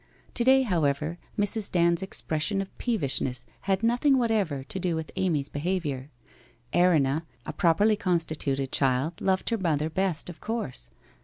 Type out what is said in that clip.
To day, however, Mrs. Dand's expression of peevishness had nothing whatever to do with Amy's behaviour. Erinna, a properly constituted child, loved her mother best, of course.